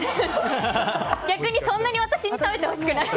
逆にそんなに私に食べてほしくない。